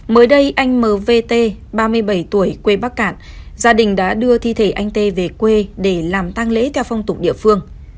mới đây anh m v t ba mươi bảy tuổi quê bắc cản gia đình đã đưa thi thể anh t về quê để làm tăng lễ theo phong tục địa phương